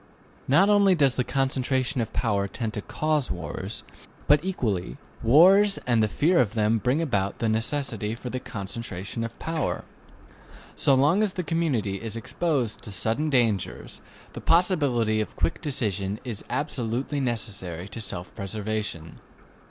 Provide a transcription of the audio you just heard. Not only does the concentration of power tend to cause wars, but, equally, wars and the fear of them bring about the necessity for the concentration of power. So long as the community is exposed to sudden dangers, the possibility of quick decision is absolutely necessary to self preservation.